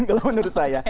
kalau menurut saya